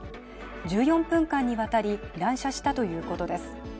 １４分間にわたり乱射したということです。